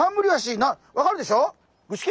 分かるでしょ？